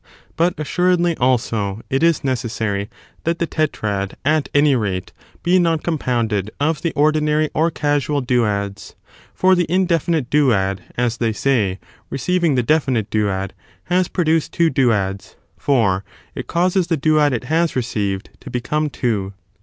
But, assuredly, also it is necessary ^^ of the that the tetrad, at any rate, be not compounded tetrad, of the ordinary or casual duads; for the indefinite duad, as they say, receiving the definite duad, has produced two duads, for it causes the duad it has received to become two.